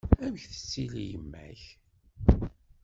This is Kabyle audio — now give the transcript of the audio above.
Amek tettili yemma-k?